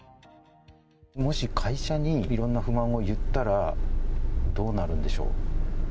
もし会社にいろんな不満を言ったらどうなるんでしょう。